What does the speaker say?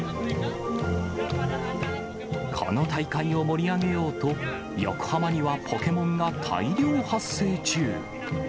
この大会を盛り上げようと、横浜にはポケモンが大量発生中。